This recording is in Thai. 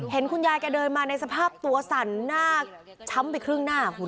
เห็นคุณยายแกเดินมาในสภาพตัวสั่นหน้าช้ำไปครึ่งหน้าคุณ